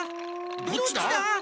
どっちだ？